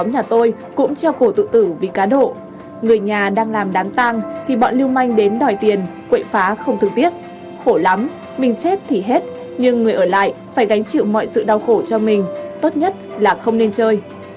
nhà tôi cũng treo cổ tự tử vì cá độ người nhà đang làm đám tang thì bọn lưu manh đến đòi tiền quậy phá không thương tiếc khổ lắm mình chết thì hết nhưng người ở lại phải gánh chịu mọi sự đau khổ cho mình tốt nhất là không nên chơi